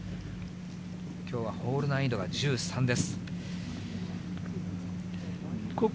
きょうはホール難易度は１３です。